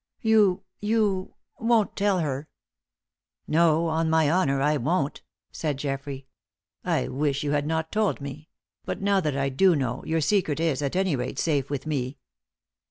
"You you won't tell her?" "No; on my honour, I won't," said Geoffrey. "I wish you had not told me; but now that I do know, your secret is, at any rate, safe with me."